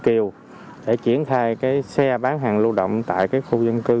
chở công thương đang phối hợp với quận ninh kiều để triển thai xe bán hàng lưu động tại khu dân cư